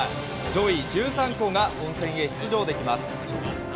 上位１３校が本選へ出場できます。